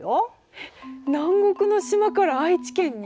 えっ南国の島から愛知県に？